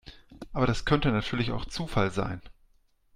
Aber das könnte natürlich auch Zufall sein.